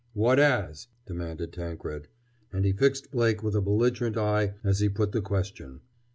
"What as?" demanded Tankred. And he fixed Blake with a belligerent eye as he put the question.